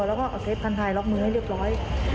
แล้วก็เอาเซฟทันทายล็อกมือให้เรียบร้อย